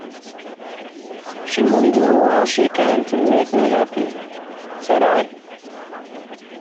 "She will do all she can to make me happy," said I.